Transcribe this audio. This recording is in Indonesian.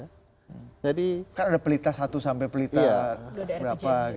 kan ada pelita satu sampai pelita berapa gitu kan